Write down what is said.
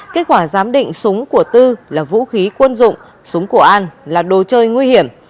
kết quả giám định súng của tư là vũ khí quân dụng súng của an là đồ chơi nguy hiểm